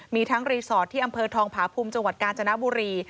มีทั้งรีสอร์ทที่อำเภอทองผาภูมิจังหวัดกาญจนบุรี